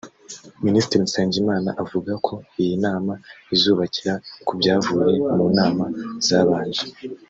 Minisitiri Nsengimana avuga ko iyi nama izubakira ku byavuye mu nama zabanje